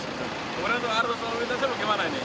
kemudian untuk arus melintasnya bagaimana ini